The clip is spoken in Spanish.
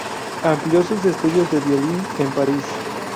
Amplió sus estudios de violín en París.